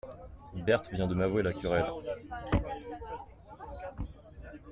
Berthe vient de m'avouer la querelle.